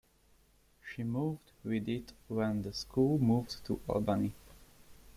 She moved with it when the school moved to Albany.